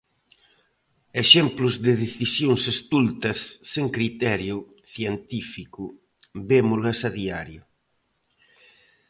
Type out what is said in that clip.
Exemplos de decisións estultas sen criterio científico vémolas a diario.